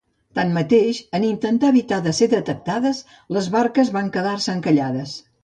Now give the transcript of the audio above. Tanmateix, en intentar evitar ser detectades, les barques van quedar-se encallades.